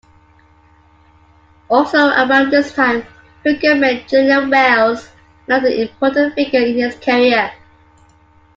Also around this time, Hooker met Junior Wells, another important figure in his career.